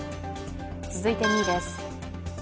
続いて２位です。